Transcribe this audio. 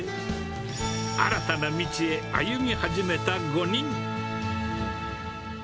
新たな道へ歩み始めた５人。